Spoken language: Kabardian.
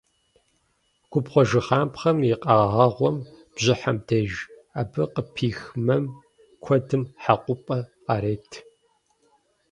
Губгъуэжыхапхъэм и къэгъэгъэгъуэм – бжьыхьэм деж, абы къыпих мэм куэдым хьэкъупӏэ къарет.